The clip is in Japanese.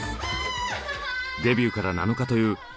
デビューから７日というＫーＰＯＰ